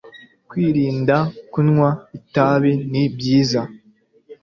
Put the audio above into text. Kwirinda kunywa itabi ni byiza